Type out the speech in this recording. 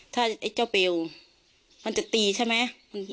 ถ้าไอ้เจ้าเบลมันจะตีใช่ไหม